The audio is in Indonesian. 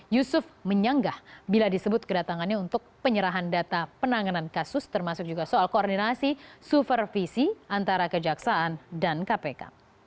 yusuf menyanggah bila disebut kedatangannya untuk penyerahan data penanganan kasus termasuk juga soal koordinasi supervisi antara kejaksaan dan kpk